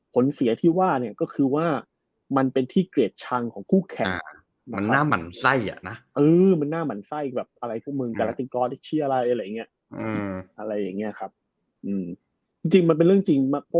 เสียที่ว่าเนี่ยก็คือว่ามันเป็นที่เกลียดชังของคู่แข่งอ่ะนะ